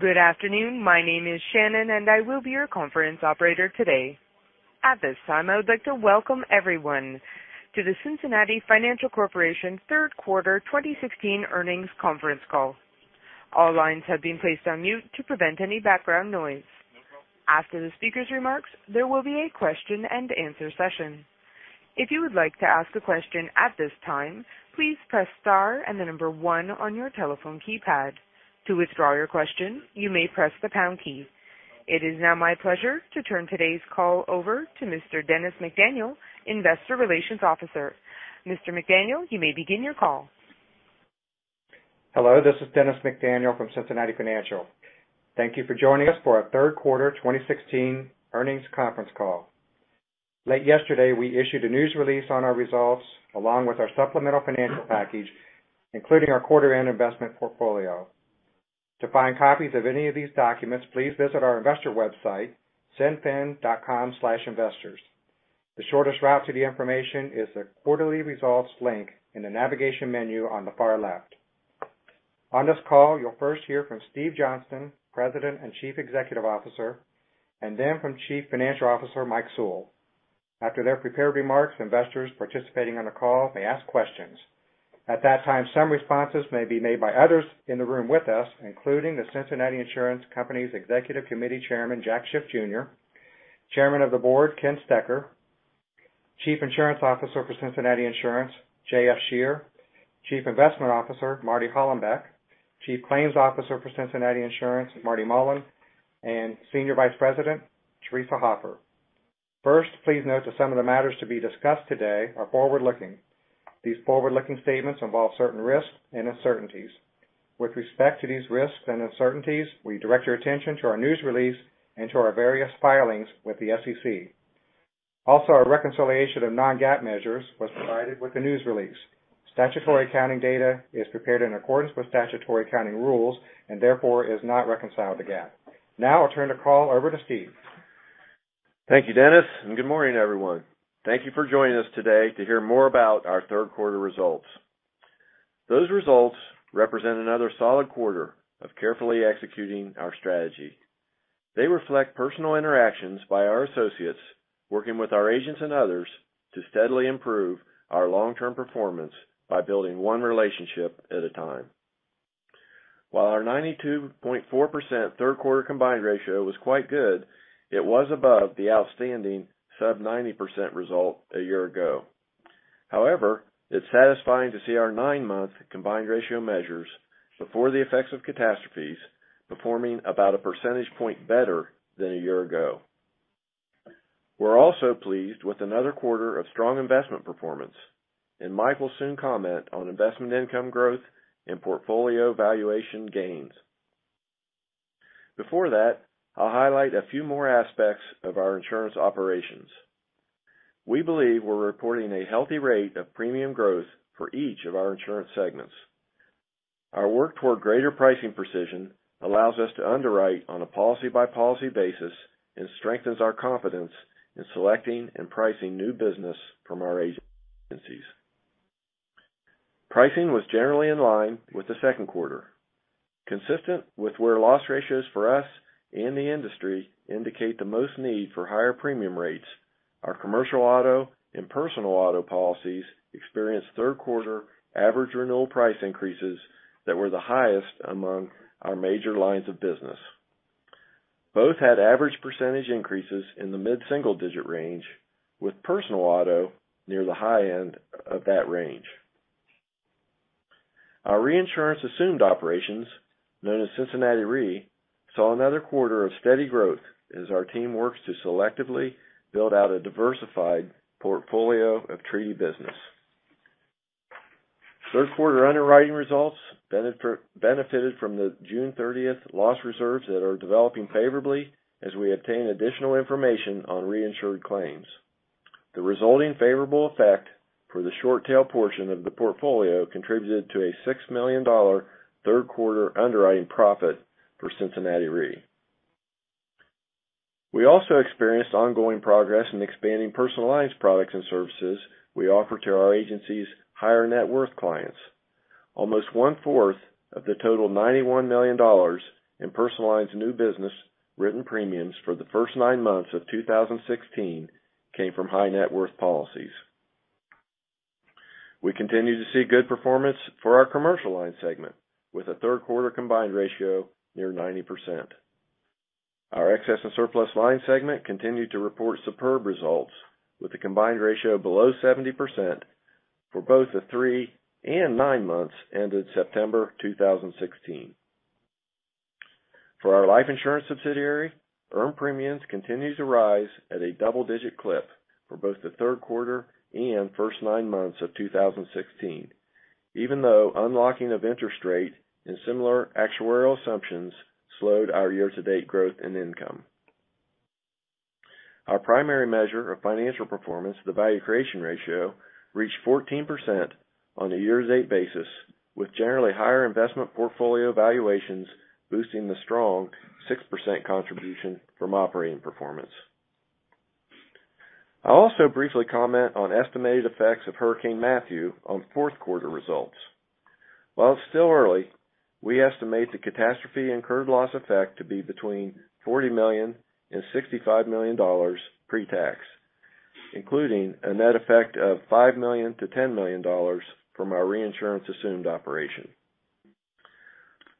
Good afternoon. My name is Shannon, and I will be your conference operator today. At this time, I would like to welcome everyone to the Cincinnati Financial Corporation third quarter 2016 earnings conference call. All lines have been placed on mute to prevent any background noise. After the speaker's remarks, there will be a question and answer session. If you would like to ask a question at this time, please press star and the number one on your telephone keypad. To withdraw your question, you may press the pound key. It is now my pleasure to turn today's call over to Mr. Dennis McDaniel, Investor Relations Officer. Mr. McDaniel, you may begin your call. Hello, this is Dennis McDaniel from Cincinnati Financial. Thank you for joining us for our third quarter 2016 earnings conference call. Late yesterday, we issued a news release on our results along with our supplemental financial package, including our quarter-end investment portfolio. To find copies of any of these documents, please visit our investor website, cinfin.com/investors. The shortest route to the information is the Quarterly Results link in the navigation menu on the far left. On this call, you'll first hear from Steve Johnston, President and Chief Executive Officer, and then from Chief Financial Officer Mike Sewell. After their prepared remarks, investors participating on the call may ask questions. At that time, some responses may be made by others in the room with us, including The Cincinnati Insurance Company's Executive Committee Chairman, Jack Schiff Jr.; Chairman of the Board, Ken Stecher; Chief Insurance Officer for Cincinnati Insurance, J.F. Scherer; Chief Investment Officer, Marty Hollenbeck; Chief Claims Officer for Cincinnati Insurance, Marty Mullen; and Senior Vice President, Teresa Hopper. First, please note that some of the matters to be discussed today are forward-looking. These forward-looking statements involve certain risks and uncertainties. With respect to these risks and uncertainties, we direct your attention to our news release and to our various filings with the SEC. Also, our reconciliation of non-GAAP measures was provided with the news release. Statutory accounting data is prepared in accordance with statutory accounting rules and therefore is not reconciled to GAAP. Now I'll turn the call over to Steve. Thank you, Dennis, and good morning, everyone. Thank you for joining us today to hear more about our third quarter results. Those results represent another solid quarter of carefully executing our strategy. They reflect personal interactions by our associates, working with our agents and others to steadily improve our long-term performance by building one relationship at a time. While our 92.4% third quarter combined ratio was quite good, it was above the outstanding sub 90% result a year ago. However, it's satisfying to see our nine-month combined ratio measures before the effects of catastrophes performing about a percentage point better than a year ago. We're also pleased with another quarter of strong investment performance, and Mike will soon comment on investment income growth and portfolio valuation gains. Before that, I'll highlight a few more aspects of our insurance operations. We believe we're reporting a healthy rate of premium growth for each of our insurance segments. Our work toward greater pricing precision allows us to underwrite on a policy-by-policy basis and strengthens our confidence in selecting and pricing new business from our agencies. Pricing was generally in line with the second quarter. Consistent with where loss ratios for us and the industry indicate the most need for higher premium rates, our commercial auto and personal auto policies experienced third quarter average renewal price increases that were the highest among our major lines of business. Both had average % increases in the mid-single-digit range, with personal auto near the high end of that range. Our reinsurance assumed operations, known as Cincinnati Re, saw another quarter of steady growth as our team works to selectively build out a diversified portfolio of treaty business. Third quarter underwriting results benefited from the June 30th loss reserves that are developing favorably as we obtain additional information on reinsured claims. The resulting favorable effect for the short tail portion of the portfolio contributed to a $6 million third-quarter underwriting profit for Cincinnati Re. We also experienced ongoing progress in expanding personal lines products and services we offer to our agency's higher net worth clients. Almost one-fourth of the total $91 million in personal lines new business written premiums for the first 9 months of 2016 came from high net worth policies. We continue to see good performance for our commercial line segment with a third quarter combined ratio near 90%. Our excess and surplus line segment continued to report superb results with a combined ratio below 70% for both the 3 and 9 months ended September 2016. For our life insurance subsidiary, earned premiums continues to rise at a double-digit clip for both the third quarter and first 9 months of 2016, even though unlocking of interest rate and similar actuarial assumptions slowed our year-to-date growth and income. Our primary measure of financial performance, the value creation ratio, reached 14% on a year-to-date basis, with generally higher investment portfolio valuations boosting the strong 6% contribution from operating performance. I'll also briefly comment on estimated effects of Hurricane Matthew on fourth quarter results. While it's still early, we estimate the catastrophe incurred loss effect to be between $40 million-$65 million pre-tax, including a net effect of $5 million-$10 million from our reinsurance assumed operation.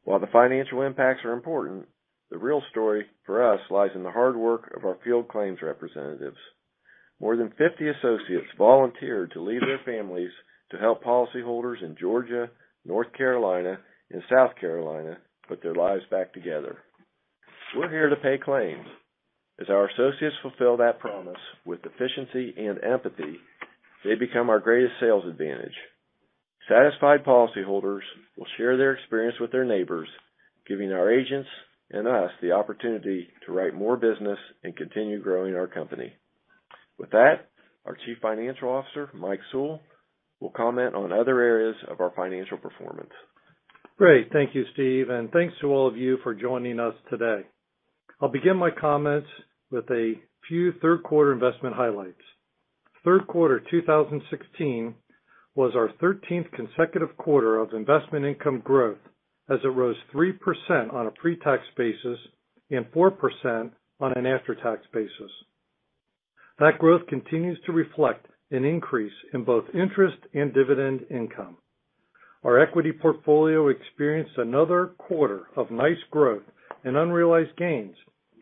While the financial impacts are important, the real story for us lies in the hard work of our field claims representatives. More than 50 associates volunteered to leave their families to help policy holders in Georgia, North Carolina, and South Carolina put their lives back together. We're here to pay claims. As our associates fulfill that promise with efficiency and empathy, they become our greatest sales advantage. Satisfied policy holders will share their experience with their neighbors, giving our agents and us the opportunity to write more business and continue growing our company. With that, our Chief Financial Officer, Mike Sewell, will comment on other areas of our financial performance. Great. Thank you, Steve, and thanks to all of you for joining us today. I'll begin my comments with a few third quarter investment highlights. Third quarter 2016 was our 13th consecutive quarter of investment income growth as it rose 3% on a pre-tax basis and 4% on an after-tax basis. That growth continues to reflect an increase in both interest and dividend income. Our equity portfolio experienced another quarter of nice growth in unrealized gains,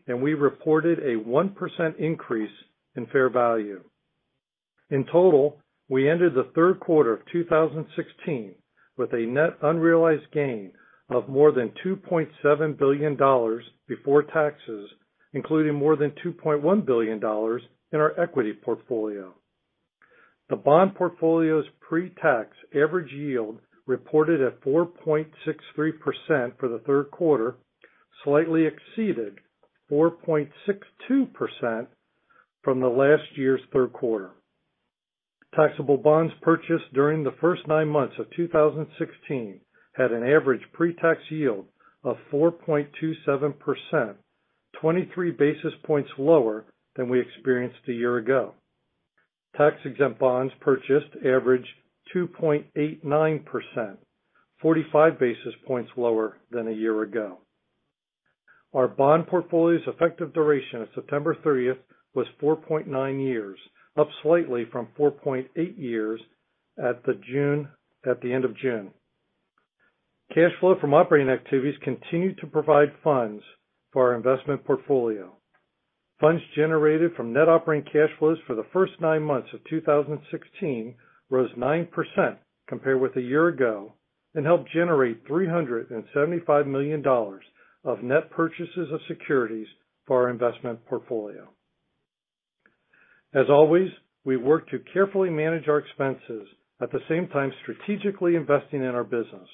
and we reported a 1% increase in fair value. In total, we ended the third quarter of 2016 with a net unrealized gain of more than $2.7 billion before taxes, including more than $2.1 billion in our equity portfolio. The bond portfolio's pre-tax average yield reported at 4.63% for the third quarter, slightly exceeded 4.62% from last year's third quarter. Taxable bonds purchased during the first nine months of 2016 had an average pre-tax yield of 4.27%, 23 basis points lower than we experienced a year ago. Tax-exempt bonds purchased average 2.89%, 45 basis points lower than a year ago. Our bond portfolio's effective duration at September 30th was four years, up slightly from 4.8 years at the end of June. Cash flow from operating activities continued to provide funds for our investment portfolio. Funds generated from net operating cash flows for the first nine months of 2016 rose 9% compared with a year ago and helped generate $375 million of net purchases of securities for our investment portfolio. As always, we work to carefully manage our expenses, at the same time, strategically investing in our business.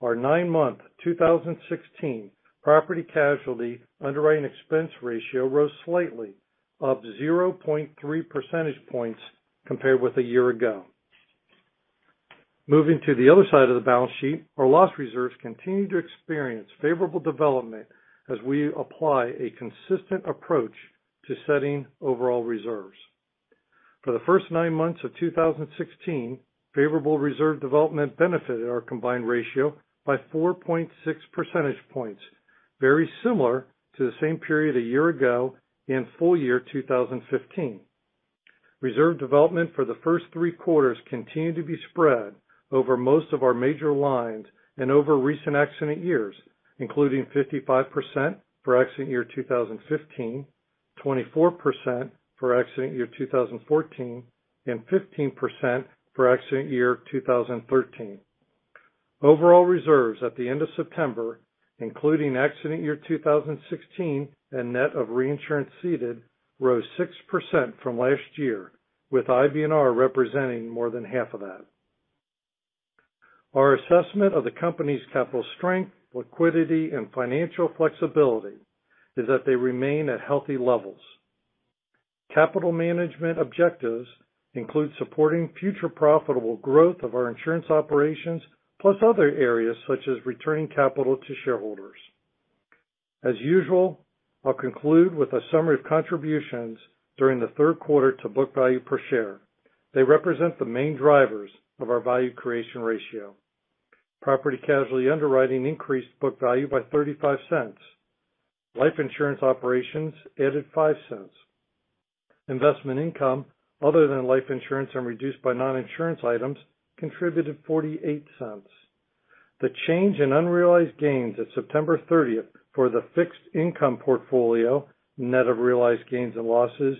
Our nine-month 2016 property casualty underwriting expense ratio rose slightly of 0.3 percentage points compared with a year ago. Moving to the other side of the balance sheet, our loss reserves continue to experience favorable development as we apply a consistent approach to setting overall reserves. For the first nine months of 2016, favorable reserve development benefited our combined ratio by 4.6 percentage points, very similar to the same period a year ago and full year 2015. Reserve development for the first three quarters continued to be spread over most of our major lines and over recent accident years, including 55% for accident year 2015, 24% for accident year 2014, and 15% for accident year 2013. Overall reserves at the end of September, including accident year 2016 and net of reinsurance ceded, rose 6% from last year, with IBNR representing more than half of that. Our assessment of the company's capital strength, liquidity, and financial flexibility is that they remain at healthy levels. Capital management objectives include supporting future profitable growth of our insurance operations, plus other areas such as returning capital to shareholders. As usual, I'll conclude with a summary of contributions during the third quarter to book value per share. They represent the main drivers of our value creation ratio. Property casualty underwriting increased book value by $0.35. Life insurance operations added $0.05. Investment income other than life insurance and reduced by non-insurance items contributed $0.48. The change in unrealized gains at September 30th for the fixed income portfolio, net of realized gains and losses,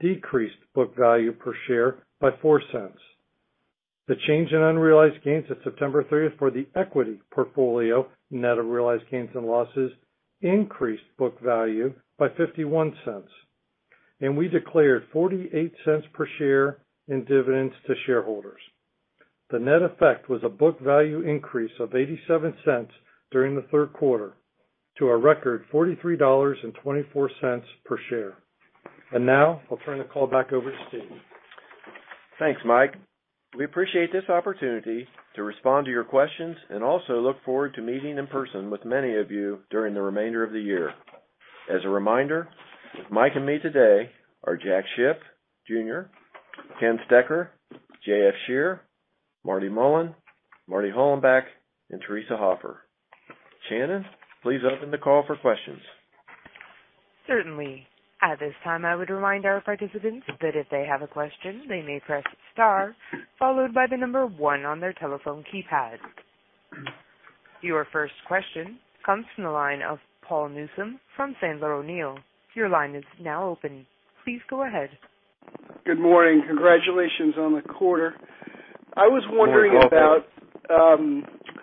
decreased book value per share by $0.04. The change in unrealized gains at September 30th for the equity portfolio, net of realized gains and losses, increased book value by $0.51. We declared $0.48 per share in dividends to shareholders. The net effect was a book value increase of $0.87 during the third quarter to a record $43.24 per share. Now I'll turn the call back over to Steve. Thanks, Mike. We appreciate this opportunity to respond to your questions and also look forward to meeting in person with many of you during the remainder of the year. As a reminder, with Mike and me today are Jack Schiff Jr., Ken Stecher, J.F. Scherer, Marty Mullen, Marty Hollenbeck, and Teresa Hopper. Shannon, please open the call for questions. Certainly. At this time, I would remind our participants that if they have a question, they may press star followed by the number one on their telephone keypad. Your first question comes from the line of Paul Newsome from Sandler O'Neill. Your line is now open. Please go ahead. Good morning. Congratulations on the quarter. Good morning. Welcome. I was wondering about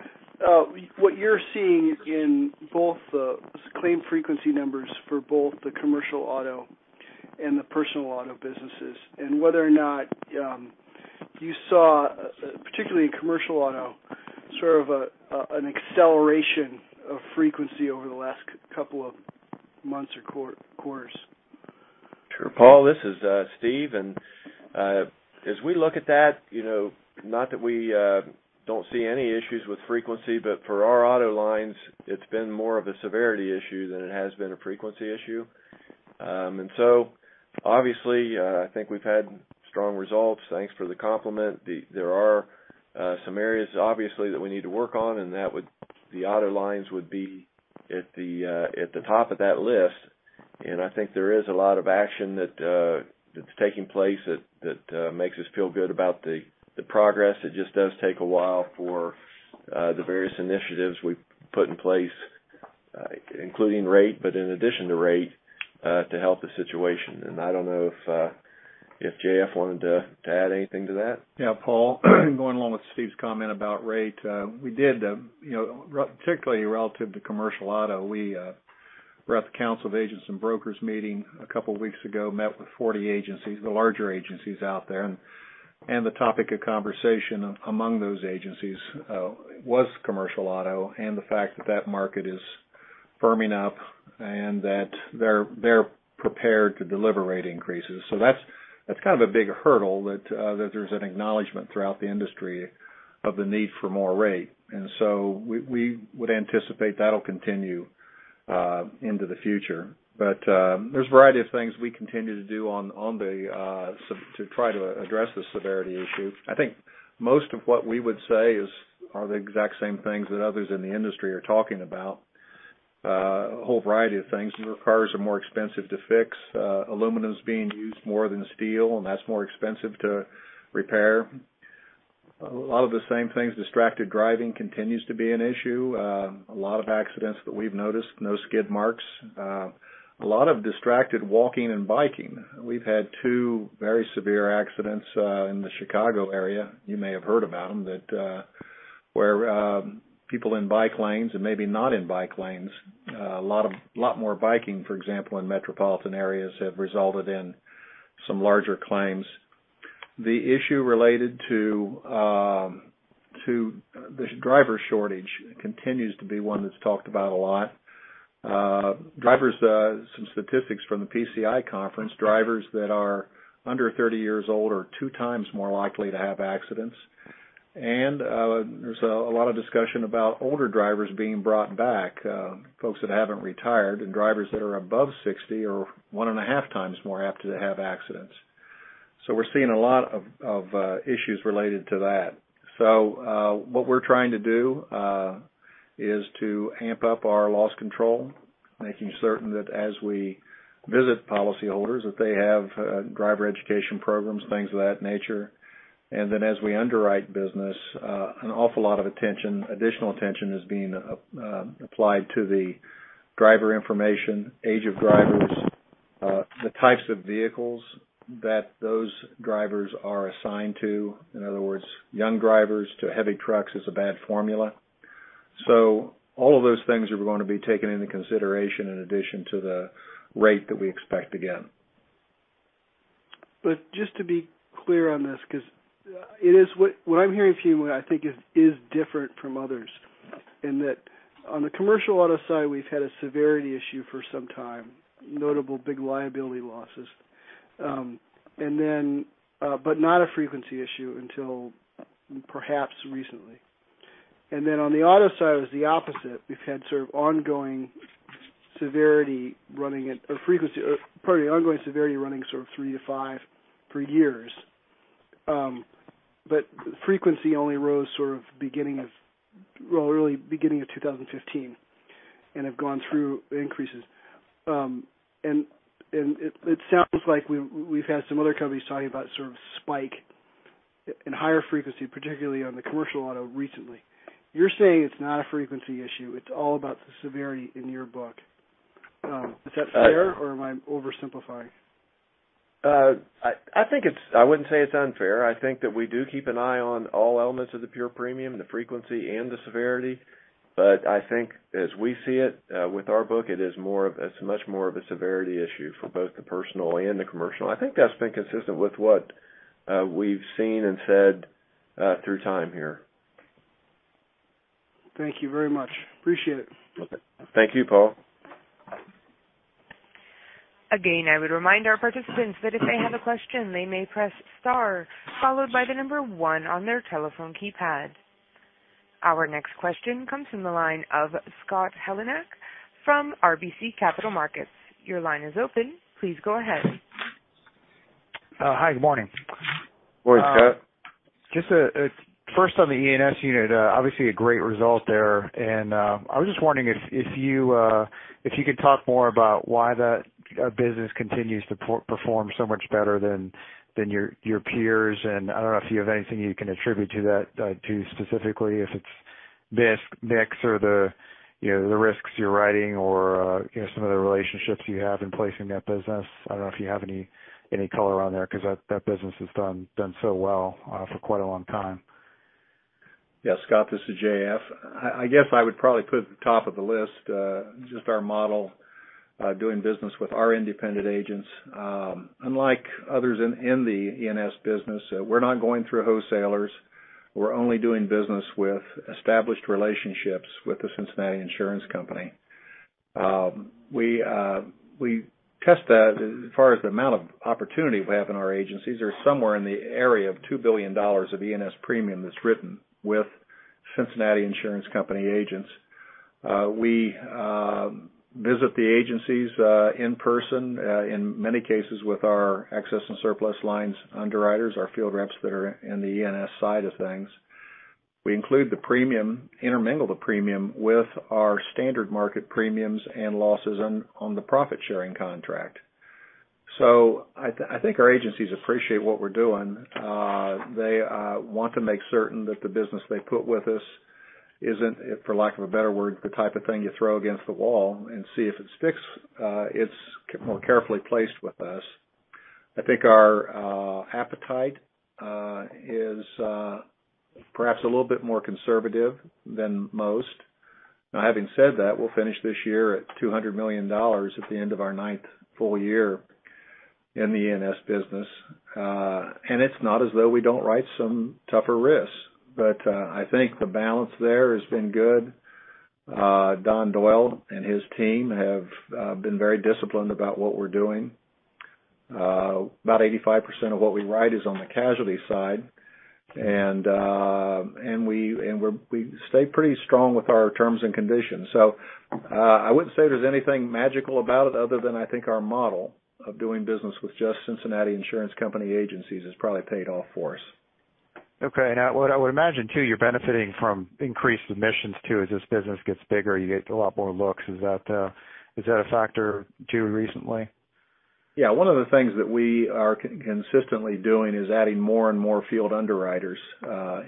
what you're seeing in both the claim frequency numbers for both the commercial auto and the personal auto businesses, and whether or not you saw, particularly in commercial auto, sort of an acceleration of frequency over the last couple of months or quarters. Sure. Paul, this is Steve. As we look at that, not that we don't see any issues with frequency, for our auto lines, it's been more of a severity issue than it has been a frequency issue. Obviously, I think we've had strong results. Thanks for the compliment. There are some areas, obviously, that we need to work on, the auto lines would be at the top of that list. I think there is a lot of action that's taking place that makes us feel good about the progress. It just does take a while for the various initiatives we've put in place, including rate, but in addition to rate, to help the situation. I don't know if J.F. wanted to add anything to that. Yeah, Paul, going along with Steve's comment about rate, we did, particularly relative to commercial auto, we were at the Council of Agents and Brokers meeting a couple of weeks ago, met with 40 agencies, the larger agencies out there, the topic of conversation among those agencies was commercial auto and the fact that that market is firming up and that they're prepared to deliver rate increases. That's kind of a big hurdle that there's an acknowledgment throughout the industry of the need for more rate. We would anticipate that'll continue into the future. There's a variety of things we continue to do to try to address the severity issue. I think most of what we would say are the exact same things that others in the industry are talking about. A whole variety of things. Cars are more expensive to fix. Aluminum's being used more than steel, that's more expensive to repair. A lot of the same things. Distracted driving continues to be an issue. A lot of accidents that we've noticed, no skid marks. A lot of distracted walking and biking. We've had two very severe accidents in the Chicago area, you may have heard about them, where people in bike lanes and maybe not in bike lanes. A lot more biking, for example, in metropolitan areas have resulted in some larger claims. The issue related to the driver shortage continues to be one that's talked about a lot. Some statistics from the PCI conference, drivers that are under 30 years old are two times more likely to have accidents. There's a lot of discussion about older drivers being brought back, folks that haven't retired, and drivers that are above 60 are 1.5 times more apt to have accidents. We're seeing a lot of issues related to that. What we're trying to do is to amp up our loss control, making certain that as we visit policyholders, that they have driver education programs, things of that nature. As we underwrite business, an awful lot of additional attention is being applied to the driver information, age of drivers, the types of vehicles that those drivers are assigned to. In other words, young drivers to heavy trucks is a bad formula. All of those things are going to be taken into consideration in addition to the rate that we expect again. Just to be clear on this, because what I'm hearing from you, I think is different from others in that on the commercial auto side, we've had a severity issue for some time, notable big liability losses, but not a frequency issue until perhaps recently. On the auto side, it was the opposite. We've had sort of ongoing severity running 3-5 for years. Frequency only rose sort of early beginning of 2015 and have gone through increases. It sounds like we've had some other companies talking about sort of spike in higher frequency, particularly on the commercial auto recently. You're saying it's not a frequency issue. It's all about the severity in your book. Is that fair or am I oversimplifying? I wouldn't say it's unfair. I think that we do keep an eye on all elements of the pure premium, the frequency and the severity. I think as we see it with our book, it's much more of a severity issue for both the personal and the commercial. I think that's been consistent with what we've seen and said through time here. Thank you very much. Appreciate it. Okay. Thank you, Paul. I would remind our participants that if they have a question, they may press star followed by the number one on their telephone keypad. Our next question comes from the line of Scott Heleniak from RBC Capital Markets. Your line is open. Please go ahead. Hi, good morning. Morning, Scott. Just first on the E&S unit, obviously a great result there. I was just wondering if you could talk more about why that business continues to perform so much better than your peers. I don't know if you have anything you can attribute to that, specifically if it's mix or the risks you're writing or some of the relationships you have in placing that business. I don't know if you have any color on there because that business has done so well for quite a long time. Yeah, Scott, this is J.F. I guess I would probably put at the top of the list, just our model doing business with our independent agents. Unlike others in the E&S business, we're not going through wholesalers. We're only doing business with established relationships with The Cincinnati Insurance Company. We test that as far as the amount of opportunity we have in our agencies are somewhere in the area of $2 billion of E&S premium that's written with The Cincinnati Insurance Company agents. We visit the agencies in person, in many cases with our excess and surplus lines underwriters, our field reps that are in the E&S side of things. We intermingle the premium with our standard market premiums and losses on the profit-sharing contract. I think our agencies appreciate what we're doing. They want to make certain that the business they put with us isn't, for lack of a better word, the type of thing you throw against the wall and see if it sticks. It's more carefully placed with us. I think our appetite is perhaps a little bit more conservative than most. Now, having said that, we'll finish this year at $200 million at the end of our ninth full year in the E&S business. It's not as though we don't write some tougher risks, but I think the balance there has been good. Don Doyle and his team have been very disciplined about what we're doing. About 85% of what we write is on the casualty side. We stay pretty strong with our terms and conditions. I wouldn't say there's anything magical about it other than I think our model of doing business with just Cincinnati Insurance Company agencies has probably paid off for us. What I would imagine too, you're benefiting from increased submissions too. As this business gets bigger, you get a lot more looks. Is that a factor too recently? One of the things that we are consistently doing is adding more and more field underwriters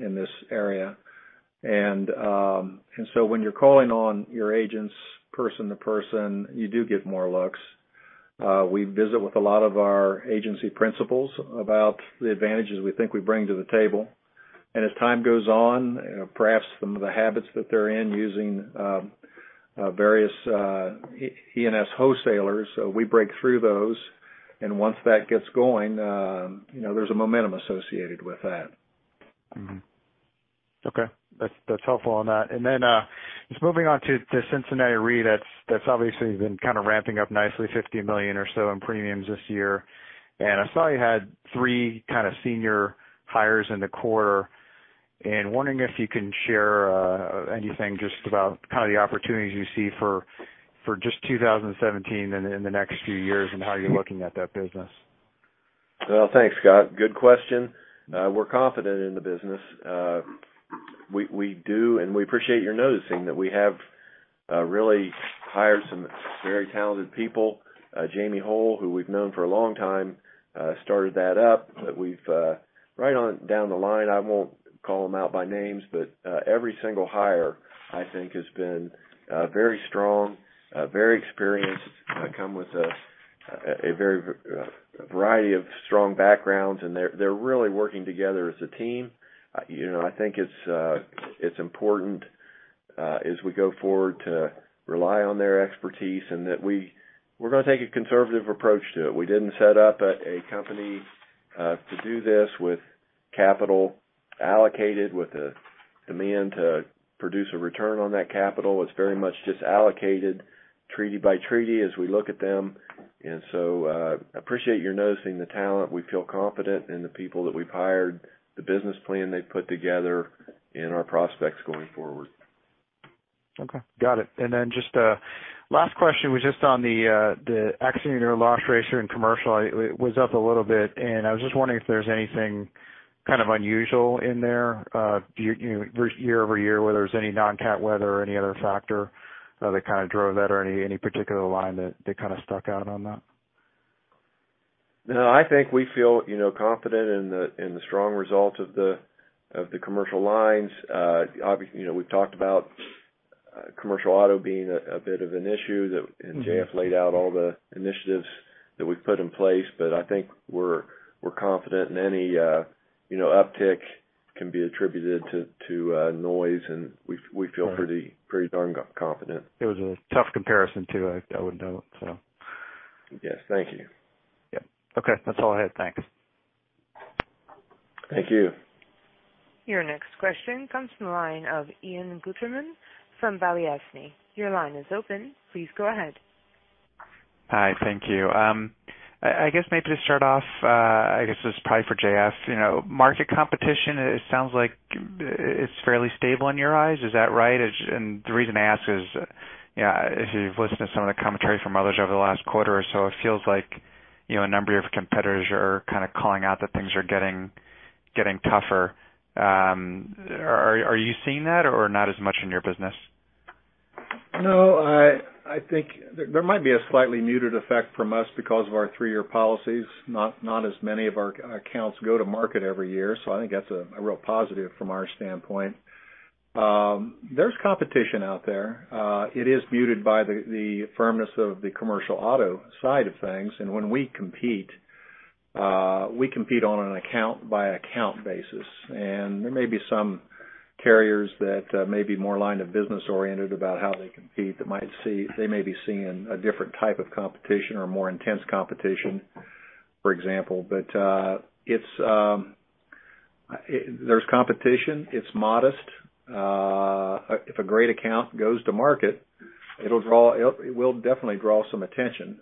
in this area. When you're calling on your agents person to person, you do get more looks. We visit with a lot of our agency principals about the advantages we think we bring to the table. As time goes on, perhaps some of the habits that they're in using various E&S wholesalers, we break through those, and once that gets going there's a momentum associated with that. That's helpful on that. Just moving on to Cincinnati Re, that's obviously been kind of ramping up nicely, $50 million or so in premiums this year. I saw you had three kind of senior hires in the quarter, and wondering if you can share anything just about kind of the opportunities you see for just 2017 and in the next few years, and how you're looking at that business. Thanks, Scott. Good question. We're confident in the business. We do, and we appreciate your noticing that we have really hired some very talented people. Jamie Hole, who we've known for a long time, started that up. Right on down the line, I won't call them out by names, but every single hire I think has been very strong, very experienced, come with a variety of strong backgrounds, and they're really working together as a team. I think it's important as we go forward to rely on their expertise and that we're going to take a conservative approach to it. We didn't set up a company to do this with capital allocated with a command to produce a return on that capital. It's very much just allocated treaty by treaty as we look at them. Appreciate your noticing the talent. We feel confident in the people that we've hired, the business plan they've put together, and our prospects going forward. Okay. Got it. Just last question was just on the accident year loss ratio in commercial. It was up a little bit, and I was just wondering if there's anything kind of unusual in there year-over-year, whether there's any non-cat weather or any other factor that kind of drove that or any particular line that kind of stuck out on that? I think we feel confident in the strong results of the commercial lines. We've talked about commercial auto being a bit of an issue, J.F. laid out all the initiatives that we've put in place, I think we're confident in any uptick can be attributed to noise, We feel pretty darn confident. It was a tough comparison too, I would note, so. Yes. Thank you. Yep. Okay. That's all I had. Thanks. Thank you. Your next question comes from the line of Ian Gutterman from Balyasny. Your line is open. Please go ahead. Hi. Thank you. I guess maybe to start off, I guess this is probably for J.F. Market competition, it sounds like it's fairly stable in your eyes. Is that right? The reason I ask is, if you've listened to some of the commentary from others over the last quarter or so, it feels like a number of your competitors are kind of calling out that things are getting tougher. Are you seeing that or not as much in your business? No, I think there might be a slightly muted effect from us because of our three-year policies. Not as many of our accounts go to market every year. I think that's a real positive from our standpoint. There's competition out there. It is muted by the firmness of the commercial auto side of things, and when we compete, we compete on an account-by-account basis, and there may be some carriers that may be more line of business oriented about how they compete, they may be seeing a different type of competition or more intense competition, for example. There's competition, it's modest. If a great account goes to market, it will definitely draw some attention.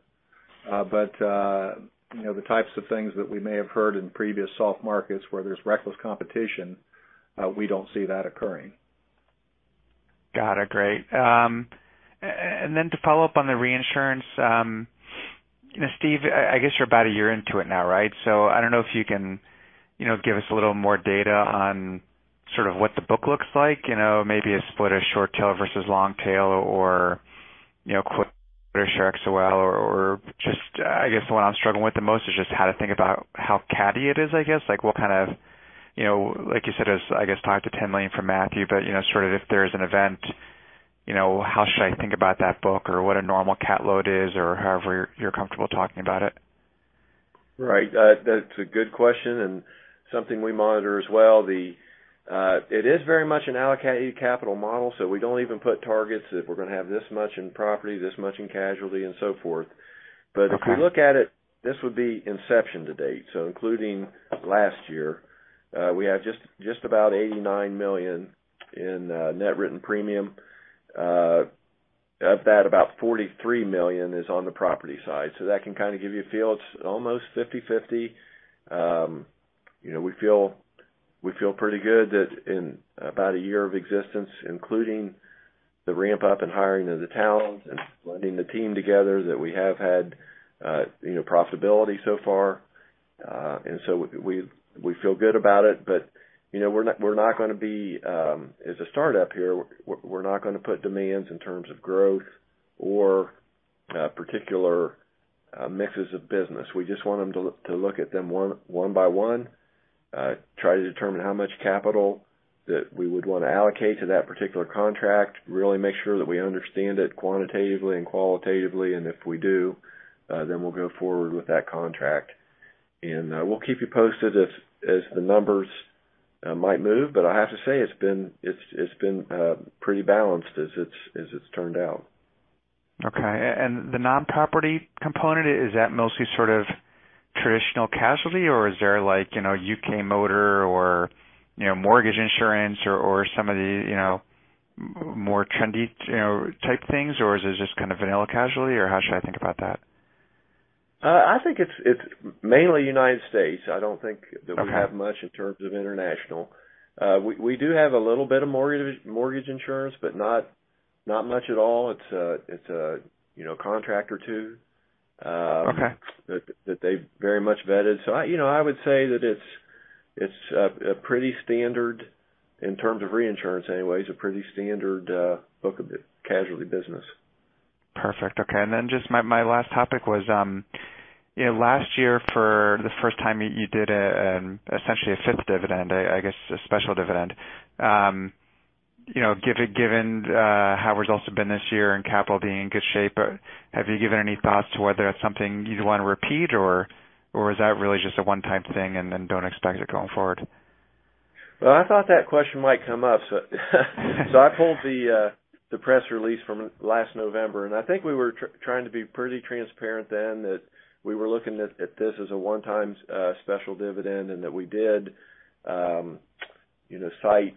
The types of things that we may have heard in previous soft markets where there's reckless competition, we don't see that occurring. Got it. Great. Then to follow up on the reinsurance, Steve, I guess you're about a year into it now, right? I don't know if you can give us a little more data on sort of what the book looks like, maybe a split of short tail versus long tail or quota share XOL or just, I guess what I'm struggling with the most is just how to think about how catty it is, I guess. Like you said, I guess $5 million-$10 million from Matthew, sort of if there's an event, how should I think about that book or what a normal cat load is or however you're comfortable talking about it. Right. That's a good question and something we monitor as well. It is very much an allocated capital model, so we don't even put targets if we're going to have this much in property, this much in casualty and so forth. Okay. If you look at it, this would be inception to date. Including last year, we have just about $89 million in net written premium. Of that, about $43 million is on the property side. That can kind of give you a feel. It's almost 50/50. We feel pretty good that in about a year of existence, including the ramp-up in hiring of the talent and blending the team together, that we have had profitability so far. We feel good about it, but as a startup here, we're not going to put demands in terms of growth or particular mixes of business. We just want them to look at them one by one, try to determine how much capital that we would want to allocate to that particular contract, really make sure that we understand it quantitatively and qualitatively, and if we do, then we'll go forward with that contract. We'll keep you posted as the numbers might move, but I have to say, it's been pretty balanced as it's turned out. Okay. The non-property component, is that mostly sort of traditional casualty, or is there U.K. motor or mortgage insurance or some of the more trendy type things, or is it just kind of vanilla casualty, or how should I think about that? I think it's mainly U.S. I don't think that we have much in terms of international. We do have a little bit of mortgage insurance, but not much at all. It's a contract or two Okay That they've very much vetted. I would say that it's pretty standard, in terms of reinsurance anyway, it's a pretty standard book of casualty business. Perfect. Okay. Just my last topic was, last year for the first time you did essentially a fifth dividend, I guess a special dividend. Given how results have been this year and capital being in good shape, have you given any thoughts to whether that's something you'd want to repeat or is that really just a one-time thing and then don't expect it going forward? Well, I thought that question might come up, so I pulled the press release from last November, and I think we were trying to be pretty transparent then that we were looking at this as a one-time special dividend, and that we did cite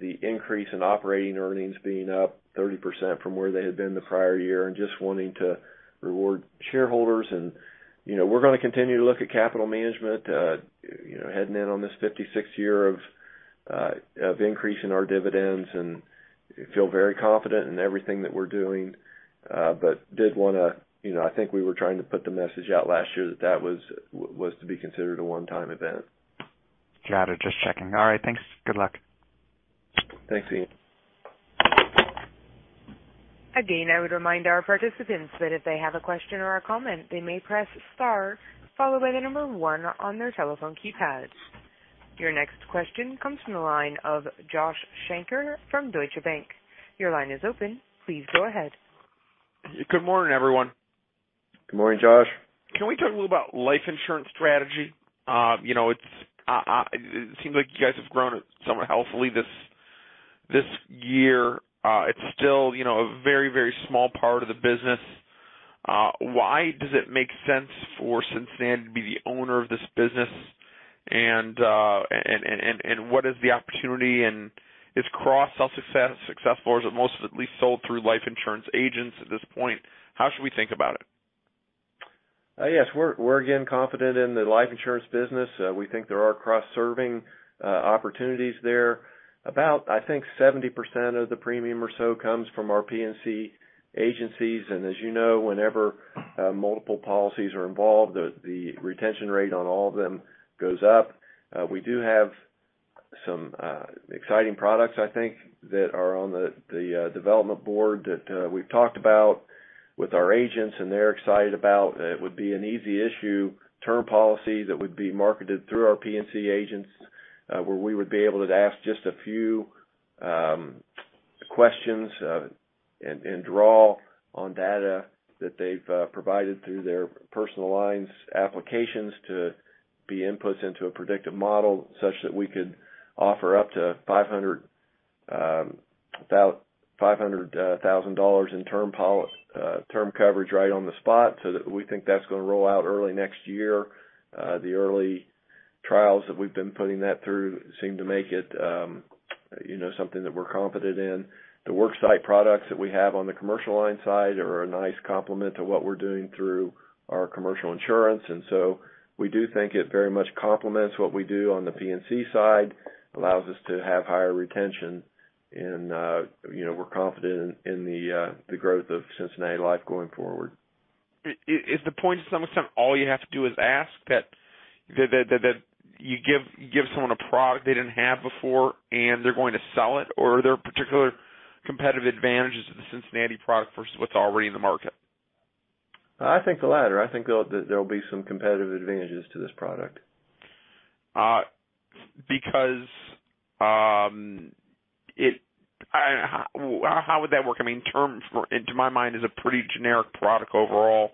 the increase in operating earnings being up 30% from where they had been the prior year and just wanting to reward shareholders. We're going to continue to look at capital management heading in on this 56th year of increasing our dividends and feel very confident in everything that we're doing. I think we were trying to put the message out last year that that was to be considered a one-time event. Got it. Just checking. All right, thanks. Good luck. Thanks, Ian. Again, I would remind our participants that if they have a question or a comment, they may press star followed by the number one on their telephone keypads. Your next question comes from the line of Joshua Shanker from Deutsche Bank. Your line is open. Please go ahead. Good morning, everyone. Good morning, Josh. Can we talk a little about life insurance strategy? It seems like you guys have grown somewhat healthily this year, it's still a very small part of the business. Why does it make sense for Cincinnati to be the owner of this business? What is the opportunity? Is it cross-sell successful, or is it mostly at least sold through life insurance agents at this point? How should we think about it? Yes, we're again confident in the life insurance business. We think there are cross-serving opportunities there. About, I think, 70% of the premium or so comes from our P&C agencies. As you know, whenever multiple policies are involved, the retention rate on all of them goes up. We do have some exciting products, I think, that are on the development board that we've talked about with our agents, and they're excited about. It would be an easy issue, term policy that would be marketed through our P&C agents, where we would be able to ask just a few questions, and draw on data that they've provided through their personal lines applications to be inputs into a predictive model, such that we could offer up to $500,000 in term coverage right on the spot. We think that's going to roll out early next year. The early trials that we've been putting that through seem to make it something that we're confident in. The worksite products that we have on the commercial line side are a nice complement to what we're doing through our commercial insurance. We do think it very much complements what we do on the P&C side, allows us to have higher retention, and we're confident in the growth of Cincinnati Life going forward. Is the point sometimes all you have to do is ask? That you give someone a product they didn't have before, and they're going to sell it? Are there particular competitive advantages to the Cincinnati product versus what's already in the market? I think the latter. I think there'll be some competitive advantages to this product. How would that work? Term, to my mind, is a pretty generic product overall.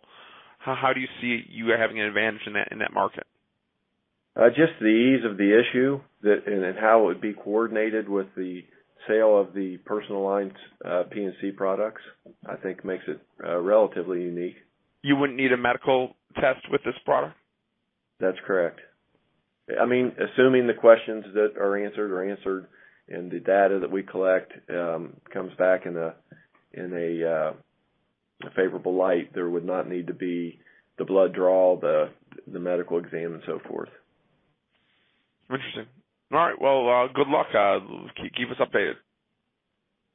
How do you see you having an advantage in that market? Just the ease of the issue, and then how it would be coordinated with the sale of the personal lines P&C products, I think makes it relatively unique. You wouldn't need a medical test with this product? That's correct. Assuming the questions that are answered are answered, and the data that we collect comes back in a favorable light, there would not need to be the blood draw, the medical exam, and so forth. Interesting. All right. Well, good luck. Keep us updated.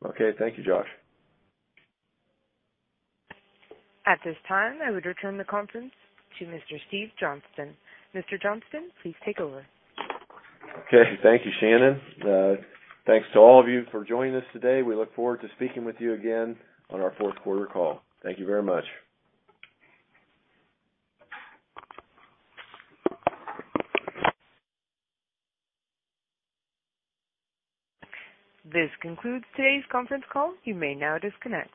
Okay. Thank you, Josh. At this time, I would return the conference to Mr. Steve Johnston. Mr. Johnston, please take over. Okay. Thank you, Shannon. Thanks to all of you for joining us today. We look forward to speaking with you again on our fourth quarter call. Thank you very much. This concludes today's conference call. You may now disconnect.